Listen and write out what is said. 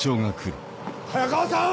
早川さん！